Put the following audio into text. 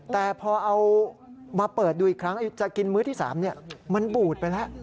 แต่พอเอามาเปิดดูอีกครั้งจะกินมื้อที่๓มันบูดไปแล้ว